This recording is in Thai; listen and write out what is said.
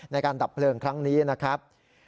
ดับเพลิงครั้งนี้นะครับ